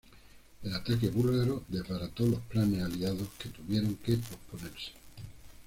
El ataque búlgaro desbarató los planes aliados, que tuvieron que posponerse.